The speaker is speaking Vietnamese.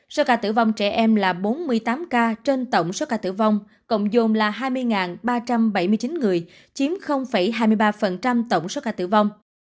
số ca tử vong trẻ em là bốn mươi tám ca trên tổng số ca tử vong cộng dồn là hai mươi ba trăm bảy mươi chín người chiếm hai mươi ba tổng số ca tử vong